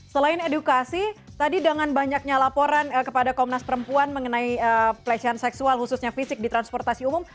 selain edukasi tadi dengan banyaknya laporan kepada komnas perempuan mengenai pelecehan seksual khususnya fisik di transportasi umum